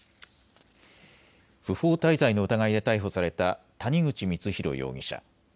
不法滞在の疑いで逮捕された谷口光弘容疑者。